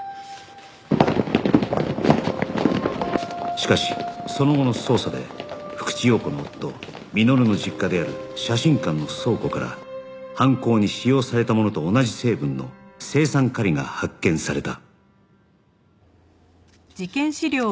しかしその後の捜査で福地陽子の夫実の実家である写真館の倉庫から犯行に使用されたものと同じ成分の青酸カリが発見された